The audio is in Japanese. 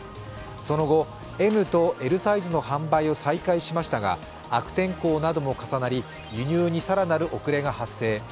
その後、ＭとＬサイズの販売を再開しましたが、悪天候なども重なり、輸入に更なる遅れが発生。